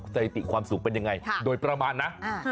สถิติความสุขเป็นยังไงโดยประมาณนะ